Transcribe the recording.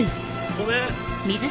・ごめん！